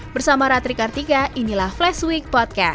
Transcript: bersama ratri kartika inilah flashweek podcast